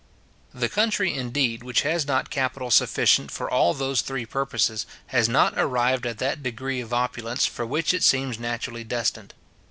The country, indeed, which has not capital sufficient for all those three purposes, has not arrived at that degree of opulence for which it seems naturally destined.